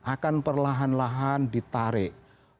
akan perlahan lahan ditarik